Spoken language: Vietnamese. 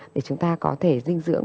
để chúng ta có thể dinh dưỡng